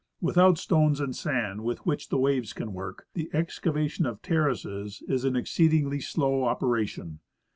With out stones and sand with which the waves can work, the excava tion of terraces is an exceedingly slow operation.